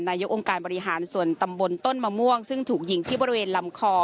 นายกองค์การบริหารส่วนตำบลต้นมะม่วงซึ่งถูกยิงที่บริเวณลำคอ